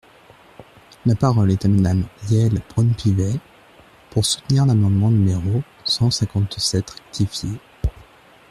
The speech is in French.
La parole est à Madame Yaël Braun-Pivet, pour soutenir l’amendement numéro cent cinquante-sept rectifié.